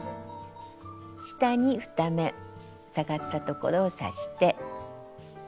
下に２目下がったところを刺して。